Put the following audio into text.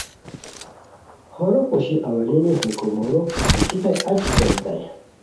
ہورو پوشی اولانی ہے کومورو ہوسیتائے اچی کیڑیتائے